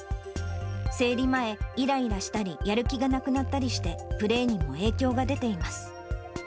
生理前、いらいらしたり、やる気がなくなったりして、プレーにも影響が出ています。